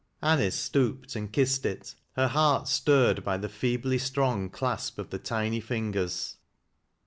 Amce stooped and kissed it, her heart stirred by the feebly strong clasp of the tiny fingers.